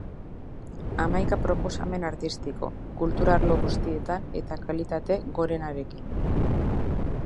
Hamaika proposamen artistiko, kultur arlo guztietan eta kalitate gorenarekin.